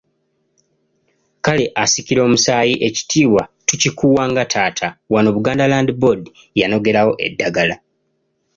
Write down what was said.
Kale asikira omusaayi ekitiibwa tukikuwa nga taata, wano Buganda Land Board yanogerawo eddagala.